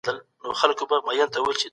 خپل ځواک ومومئ او ویې کاروئ.